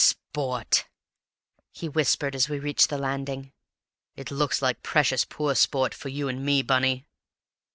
Sport!" he whispered as we reached the landing. "It looks like precious poor sport for you and me, Bunny!"